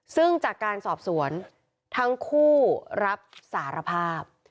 ซึ่งจากการสอบสวนทั้งคู่รับสารภาพ